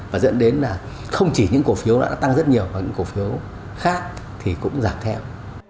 và dẫn đến là không chỉ những cổ phiếu đã tăng rất nhiều vào những cổ phiếu khác thì cũng giảm theo